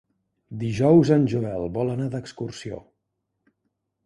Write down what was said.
Dijous en Joel vol anar d'excursió.